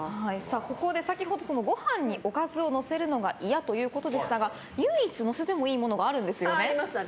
ここで、先ほどご飯におかずをのせるのが嫌ということでしたが唯一のせてもいいものがあるんですよね。